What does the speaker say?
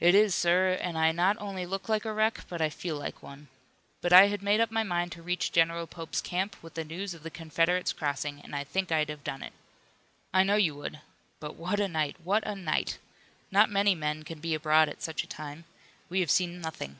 "It is, sir, and I not only look like a wreck but I feel like one. But I had made up my mind to reach General Pope's camp, with the news of the Confederates crossing, and I think I'd have done it." "I know you would. But what a night! What a night! Not many men can be abroad at such a time. We have seen nothing."